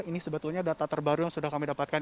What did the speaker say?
ini sebetulnya data terbaru yang sudah kami dapatkan